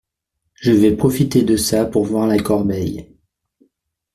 Je vais profiter de ça pour voir la corbeille…